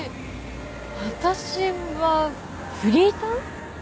私はフリーター？